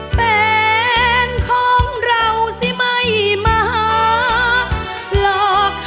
แฟนของเราสิไม่มาหาหลอกให้รอคอยท่าจูบแล้วลาไปเลย